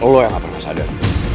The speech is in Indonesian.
lo yang gak pernah sadar